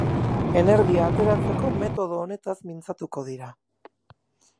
Energia ateratzeko metodo honetaz mintzatuko dira.